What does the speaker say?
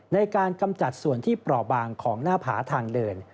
กำจัดส่วนที่เปราะบางของหน้าผาทางเดิน